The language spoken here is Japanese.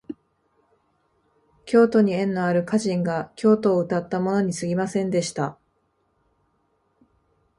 京都に縁のある歌人が京都をうたったものにすぎませんでした